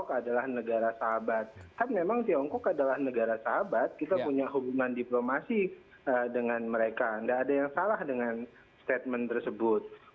terima kasih pak prabowo